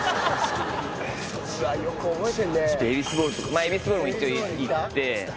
まあエビスボウルも一応行って。